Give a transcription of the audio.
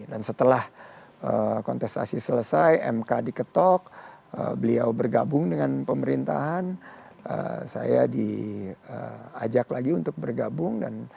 dan setelah kontestasi selesai mk diketok beliau bergabung dengan pemerintahan saya diajak lagi untuk bergabung